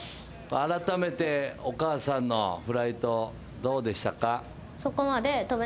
改めてお母さんのフライトどうでしたか？